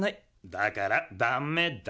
だからダメだ。